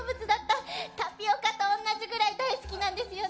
タピオカと同じぐらい大好きなんですよね。